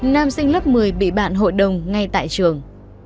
nam sinh lớp một mươi bị bạn hội đồng ngay tại trường